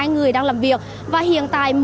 hai người đang làm việc và hiện tại